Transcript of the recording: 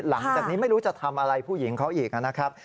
หลังจากนี้ไม่รู้จะทำอะไรผู้หญิงเขาอีกนะครับ